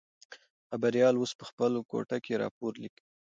خبریال اوس په خپله کوټه کې راپور لیکي.